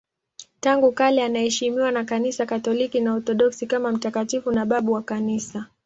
Tangu kale anaheshimiwa na Kanisa Katoliki na Waorthodoksi kama mtakatifu na babu wa Kanisa.